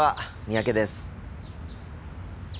三宅です。